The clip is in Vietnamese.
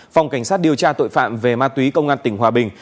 phòng cảnh sát điều tra tội phạm về ma túy công an tỉnh hòa bình